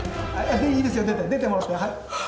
いいですよ出て出てもらってはい。